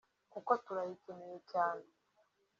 kuko turayikeneye cyane”